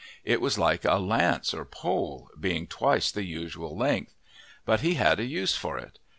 It was like a lance or pole, being twice the usual length. But he had a use for it.